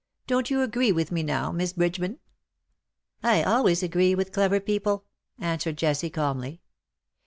Don't you agree with me, now. Miss Bridgeman ?"'^ I always agree with clever people,"" answered Jessie, calmly.